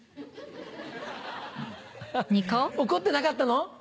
怒ってなかったの？